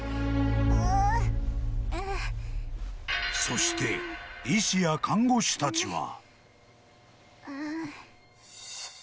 ［そして医師や看護師たちは］